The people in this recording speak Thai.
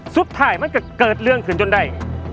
สุดท้ายมันก็เกิดเรื่องขึ้นจนได้